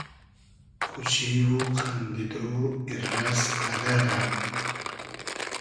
خوشی و خئندیدۉ , ایررئس غئدئرۂ